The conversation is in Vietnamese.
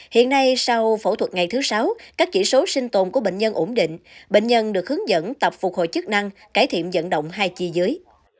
hiện nay sau phẫu thuật ngày thứ sáu các chỉ số sinh tồn của bệnh nhân ổn định bệnh nhân được hướng dẫn tập phục hồi chức năng cải thiện dẫn động hai chi dưới